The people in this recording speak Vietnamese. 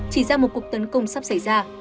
chỉ ra một cuộc tấn công sắp xảy ra